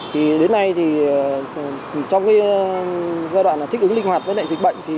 thì đến nay trong giai đoạn thích ứng linh hoạt với đại dịch bệnh